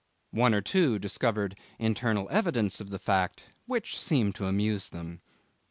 One or two discovered internal evidence of the fact, which seemed to amuse them.